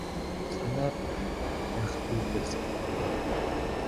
Санаад байх юу байсан юм бэ.